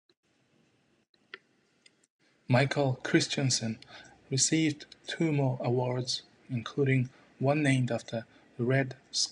Michael Christensen received two more awards, including one named after Red Skelton.